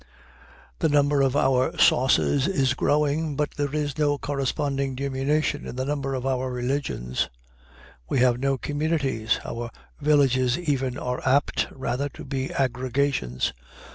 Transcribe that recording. The number of our sauces is growing, but there is no corresponding diminution in the number of our religions. We have no communities. Our villages even are apt, rather, to be aggregations.